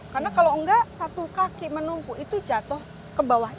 karena kalau nggak satu kaki menumpu itu jatuh ke bawah